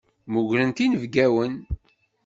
Mmugrent inebgiwen.